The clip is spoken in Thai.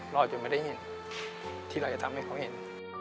เราจะไม่ได้เห็นที่เราจะทำให้เขาเห็น